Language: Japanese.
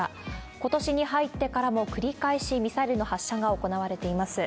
ことしに入ってからも繰り返しミサイルの発射が行われています。